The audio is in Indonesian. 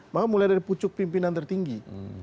maka mulai dari pucuk pimpinan tertinggi